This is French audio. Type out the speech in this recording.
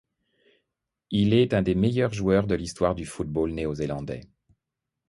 Il est un des meilleurs joueurs de l'histoire du football néo-zélandais.